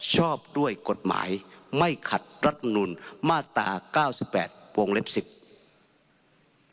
ชอบด้วยกฏหมายไม่ขัดรัฐนูรมาตรา๙๘วงเท้อสิบ